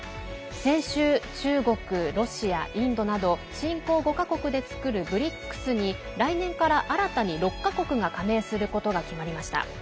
先週、中国、ロシア、インドなど新興５か国で作るＢＲＩＣＳに来年から新たに６か国が加盟することが決まりました。